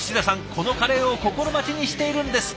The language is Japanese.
このカレーを心待ちにしているんです。